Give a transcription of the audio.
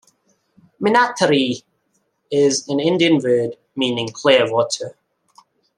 "Minnataree" is an Indian word meaning "clear water.